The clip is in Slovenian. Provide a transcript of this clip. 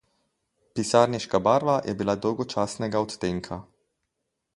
Pisarniška barva je bila dolgočasnega odtenka.